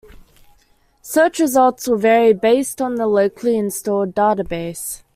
Search results will vary based on the locally installed database.